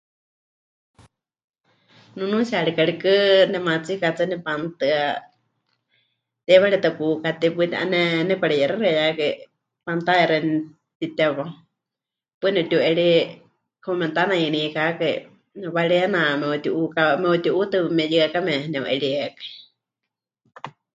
Nunuutsiyari karikɨ nemaatsika hetsɨa nepanutɨa, teiwaritɨ́a pukatei, paɨ ti'ané nepɨkareyexexeiyákai pantalla xeeníu mɨtitewá, paɨ nepɨtiu'eri como memɨtanayeneikakai, wariena me'uti'uuka... me'uti'uutɨ meyɨakame nepɨ'eríekai.